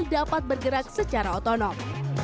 dan juga dapat bergerak secara otonom